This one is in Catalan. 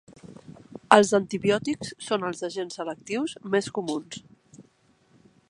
Els antibiòtics són els agents selectius més comuns.